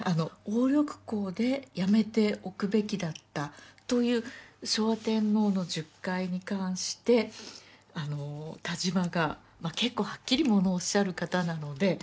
「鴨緑江でやめておくべきだった」という昭和天皇の述懐に関して田島が結構はっきりものをおっしゃる方なので。